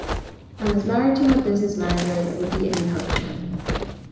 I'm as married to my business manager as I would be any husband.